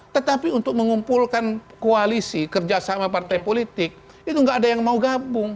tetapi untuk mengumpulkan koalisi kerjasama partai politik itu nggak ada yang mau gabung